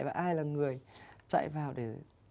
và ai là người chạy vào để